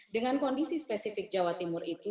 dengan kondisi spesifik jawa timur itu